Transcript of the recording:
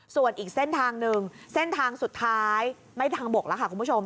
ส่วนอีกเส้นทางหนึ่งเส้นทางสุดท้ายไม่ทางบกแล้วค่ะคุณผู้ชม